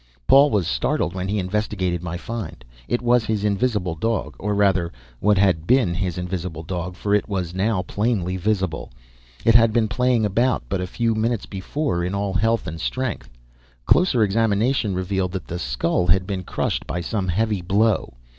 Paul was startled when he investigated my find. It was his invisible dog, or rather, what had been his invisible dog, for it was now plainly visible. It had been playing about but a few minutes before in all health and strength. Closer examination revealed that the skull had been crushed by some heavy blow.